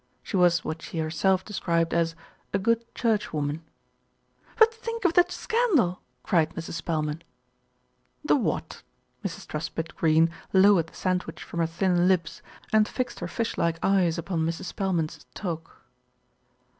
She was what she herself described as "a good churchwoman." "But think of the scandal !" cried Mrs. Spelman. "The what?" Mrs. Truspitt Greene lowered the sandwich from her thin lips, and fixed her fish like eyes upon Mrs. Spelman's toque.